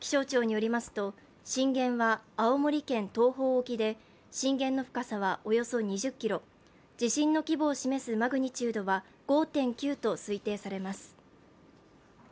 気象庁によりますと震源は青森県東方沖で、震源の深さはおよそ２０ｋｍ、地震の規模を示すマグニチュードは５．９と推定されます。